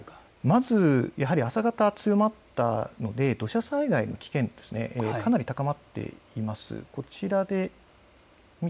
まずやはり朝方、強まったので土砂災害の危険度、かなり高まっています。